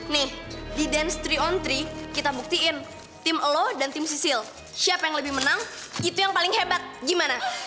nih di dance tiga on tiga kita buktiin tim lo dan tim sisil siapa yang lebih menang itu yang paling hebat gimana